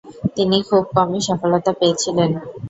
তিনি খুব কমই সফলতা পেয়েছিলেন।